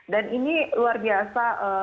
dan ini luar biasa